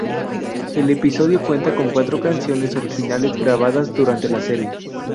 El episodio cuenta con cuatro canciones originales grabadas, durante la serie.